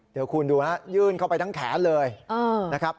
เดี๋ยวคุณดูนะยื่นเข้าไปทั้งแขนเลยนะครับ